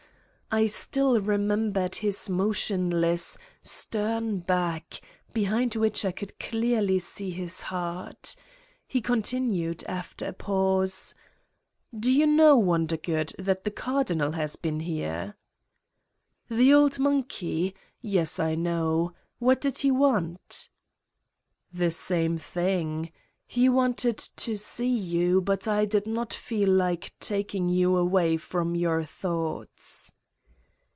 I still remembered his motionless, stern back, be hind which I could clearly see his heart. He con tinued, after a pause : "Do you know, Wondergood, that the Cardinal has been here?" "The old monkey? Yes, I know. What did he want?" ' The same thing. He wanted to see you but I did not feel like taking you away from your thoughts."